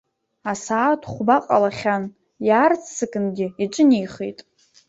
Асааҭ хәба ҟалахьан, иаарццакынгьы иҿынеихеит.